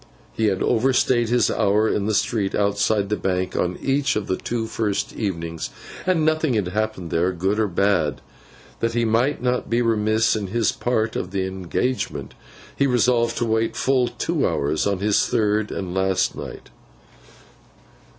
He had overstayed his hour in the street outside the Bank, on each of the two first evenings; and nothing had happened there, good or bad. That he might not be remiss in his part of the engagement, he resolved to wait full two hours, on this third and last night.